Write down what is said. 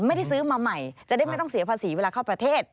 ไม่ได้ซื้อมาใหม่จะได้ไม่ต้องเสียภาษีเวลาเข้าประเทศ